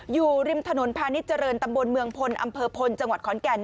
อยู่ริมถนนพาณิชยเจริญตำบลเมืองพลอำเภอพลจังหวัดขอนแก่น